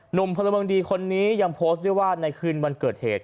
พลเมืองดีคนนี้ยังโพสต์ด้วยว่าในคืนวันเกิดเหตุ